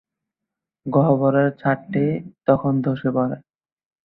গহ্বরের ছাদটি তখন ধসে পড়ে।